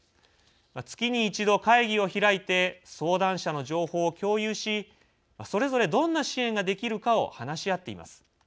月に一度、会議を開いて相談者の情報を共有しそれぞれ、どんな支援ができるかを話し合っています。